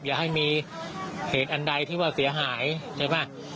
อย่าให้มีเหตุอันใดที่ว่าเสียหายใช่ไหม